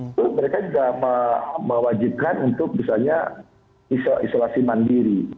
itu mereka juga mewajibkan untuk misalnya isolasi mandiri